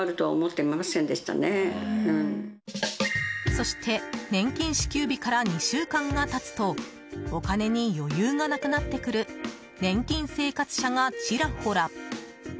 そして年金支給日から２週間が経つとお金に余裕がなくなってくる年金生活者が、ちらほら。